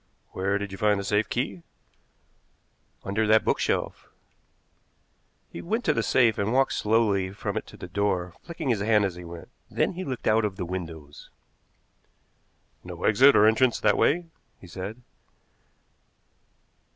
"Where did you find the safe key?" "Under that bookshelf." He went to the safe and walked slowly from it to the door, flicking his hand as he went. Then he looked out of the windows. "No exit or entrance that way," he said.